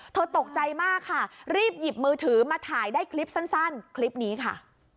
ตกใจมากค่ะรีบหยิบมือถือมาถ่ายได้คลิปสั้นคลิปนี้ค่ะ